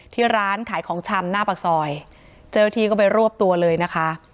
ที่ร้านขายของชำหน้าปากซอยเจ้าหน้าที่ก็ไปรวบตัวเลยนะคะ